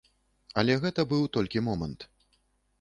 Але гэта быў толькі момант.